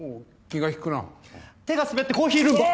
手が滑ってコーヒールンバ！